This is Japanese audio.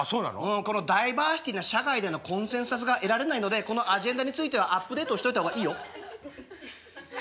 このダイバーシティな社会でのコンセンサスが得られないのでこのアジェンダについてはアップデートしといた方がいいよ。